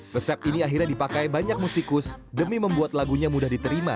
resep ini akhirnya dipakai banyak musikus demi membuat lagunya mudah diterima